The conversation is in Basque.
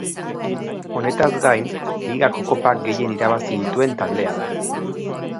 Honetaz gain Ligako Kopa gehien irabazi dituen taldea da.